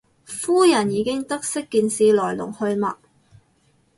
夫人已經得悉件事來龍去脈